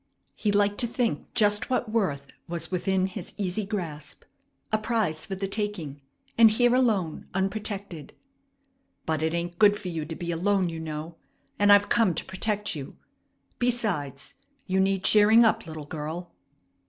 He liked to think just what worth was within his easy grasp. A prize for the taking, and here alone, unprotected. "But it ain't good for you to be alone, you know, and I've come to protect you. Besides, you need cheering up, little girl."